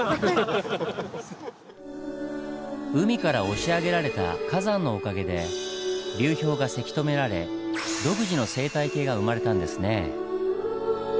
海から押し上げられた火山のおかげで流氷がせき止められ独自の生態系が生まれたんですねぇ。